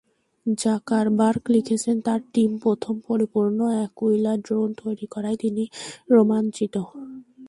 Zuckerberg লিখেছেন, তাঁর team প্রথম পরিপূর্ণ অ্যাকুইলা ড্রোন তৈরি করায় তিনি রোমাঞ্চিত।